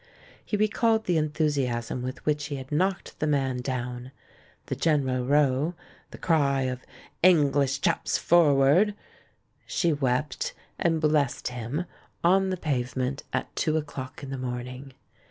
He recalled the en thusiasm with which he had knocked the man down; the general row — the cry of "English chaps forward!" She wept, and blessed him, on the pavement, at two o'clock in the morning.